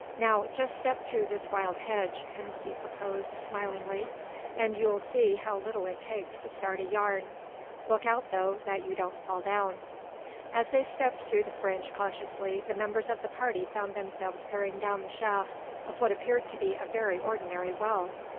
"Now, just step through this wild hedge," Hennessy proposed, smilingly, "and you'll see how little it takes to start a yarn. Look out, though, that you don't fall down." As they stepped through the fringe cautiously the members of the party found themselves peering down the shaft of what appeared to be a very ordinary well.